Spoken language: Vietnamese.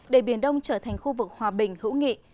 để biển đông trở thành khu vực hòa bình hữu nghị